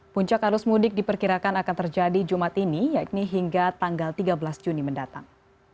puncak arus mudik diperkirakan akan terjadi jumat ini yakni hingga tanggal tiga belas juni mendatang